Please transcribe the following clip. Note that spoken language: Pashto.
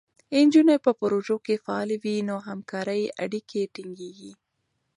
نجونې په پروژو کې فعالې وي، نو همکارۍ اړیکې ټینګېږي.